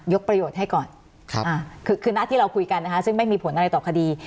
ประโยชน์ให้ก่อนคือนัดที่เราคุยกันนะคะซึ่งไม่มีผลอะไรต่อคดี